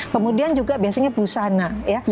kemudian juga biasanya busana ya